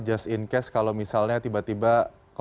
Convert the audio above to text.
terima kasih pak